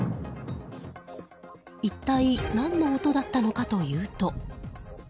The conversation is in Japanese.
一体何の音だったのかというと。